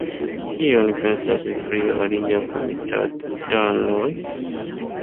Kion pensas pri tio aliaj komitatanoj?